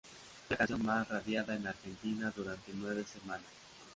Fue la canción más radiada en Argentina durante nueve semanas.